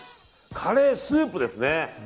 カレースープですね。